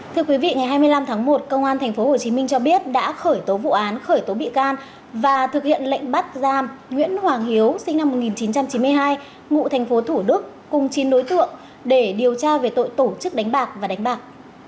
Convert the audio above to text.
thưa quý vị ngày hai mươi năm tháng một công an tp hcm cho biết đã khởi tố vụ án khởi tố bị can và thực hiện lệnh bắt giam nguyễn hoàng hiếu sinh năm một nghìn chín trăm chín mươi hai ngụ tp thủ đức cùng chín đối tượng để điều tra về tội tổ chức đánh bạc và đánh bạc